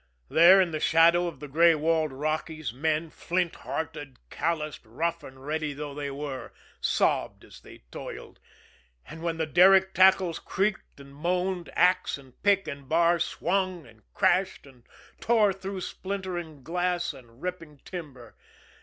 There in the shadow of the gray walled Rockies, men, flint hearted, calloused, rough and ready though they were, sobbed as they toiled; and while the derrick tackles creaked and moaned, axe and pick and bar swung and crashed and tore through splintering glass and ripping timber.